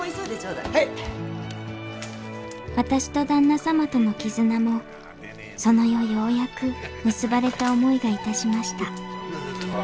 私と旦那様との絆もその夜ようやく結ばれた思いが致しました。